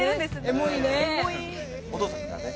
エモいね。